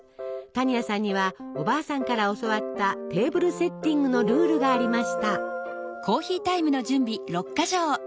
多仁亜さんにはおばあさんから教わったテーブルセッティングのルールがありました。